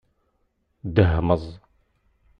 Ddehmeẓ.